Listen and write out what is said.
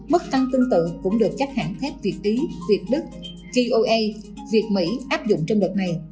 mức tăng tương tự cũng được các hãng thép việt ý việt đức toa việt mỹ áp dụng trong đợt này